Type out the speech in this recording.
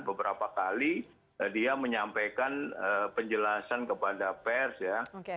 beberapa kali dia menyampaikan penjelasan kepada pers ya